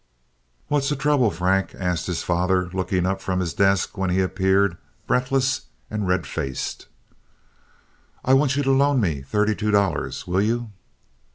"What's the trouble, Frank?" asked his father, looking up from his desk when he appeared, breathless and red faced. "I want you to loan me thirty two dollars! Will you?"